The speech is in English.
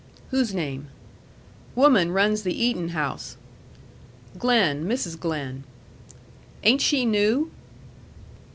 "Whose name?" "Woman runs the eating house." "Glen. Mrs. Glen." "Ain't she new?"